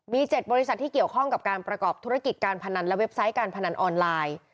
มี๗บริษัทที่เกี่ยวข้องกับการประกอบธุรกิจการพนันและเว็บไซต์การพนันออนไลน์